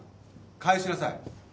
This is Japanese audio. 返しなさい。